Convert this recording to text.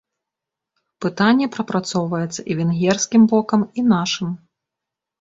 Пытанне прапрацоўваецца і венгерскім бокам, і нашым.